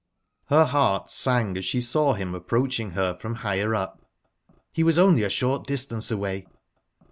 Her heart sang as she saw him approaching her from higher up. He was only a short distance away.